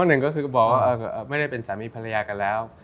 หนึ่งก็คือก็บอกว่าไม่ได้เป็นสามีภรรยากันแล้ว